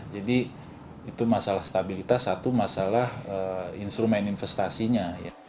jadi itu masalah stabilitas satu masalah instrumen investasinya